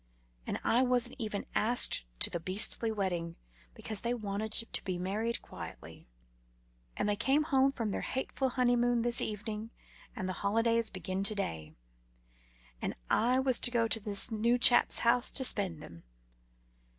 And I wasn't even asked to the beastly wedding because they wanted to be married quietly; and they came home from their hateful honeymoon this evening, and the holidays begin to day, and I was to go to this new chap's house to spend them.